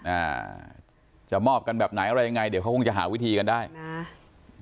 อ่าจะมอบกันแบบไหนอะไรยังไงเดี๋ยวเขาคงจะหาวิธีกันได้อ่า